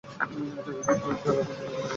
চলো, এটা খুললেই হয়ে যাবে।